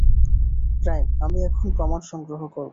Rhyme, আমি এখন প্রমাণ সংগ্রহ করবো।